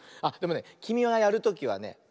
あっでもねきみがやるときはね